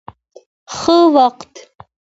ښه وخت.